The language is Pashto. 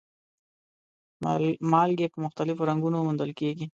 مالګې په مختلفو رنګونو موندل کیږي.